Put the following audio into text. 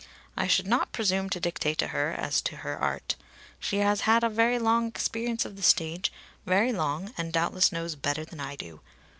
I should not presume to dictate to her as to her art. She has had a very long experience of the stage, very long, and doubtless knows better than I do.